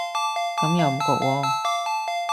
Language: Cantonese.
咁又唔覺喎